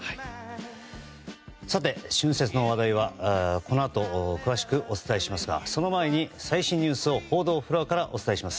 さて、春節の話題はこのあと詳しくお伝えしますがその前に、最新ニュースを報道フロアからお伝えします。